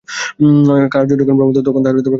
কার্য যখন ভ্রম, তখন তাহার কারণও অবশ্য ভ্রম হইবে।